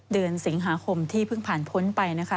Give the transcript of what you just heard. เดือนสิงหาคมที่เพิ่งผ่านพ้นไปนะคะ